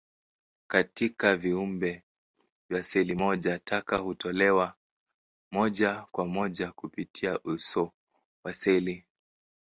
Katika viumbe vya seli moja, taka hutolewa moja kwa moja kupitia uso wa seli.